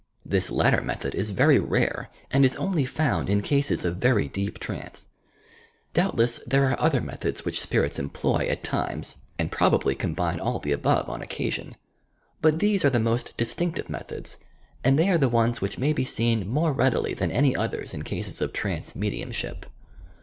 This latter method is very rare and is only found in cases of very deep trance. Doubtless, there are other methods which spirits employ at times and probably com TRANCE 177 bine all the above on occasion. But these are the most distinctive methods, and they are the ones which may be seen more readily than any others in cases of trance. mcdiumship.